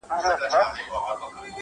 شمع به اوس څه وايی خوله نه لري؛